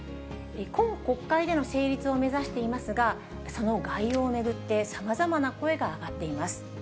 今国会での成立を目指していますが、その概要を巡って、さまざまな声が上がっています。